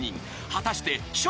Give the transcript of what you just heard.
［果たして笑